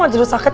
aja udah sakit